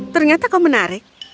ternyata kau menarik